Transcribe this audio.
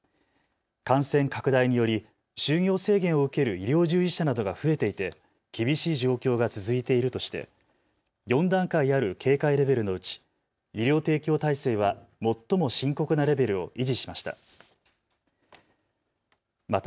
感染拡大により就業制限を受ける医療従事者などが増えていて厳しい状況が続いているとして４段階ある警戒レベルのうち医療提供体制は最も深刻なレベルを維持しました。